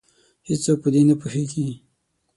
هیڅوک په دې نه پوهیږې